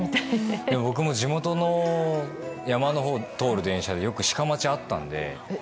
僕も地元の山を通る電車でよく、シカ待ちあったんで。